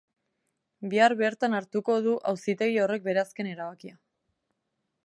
Bihar bertan hartuko du auzitegi horrek bere azken erabakia.